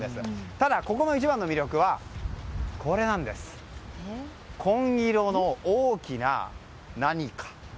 ただ、ここの一番の魅力はこの紺色の大きな何か。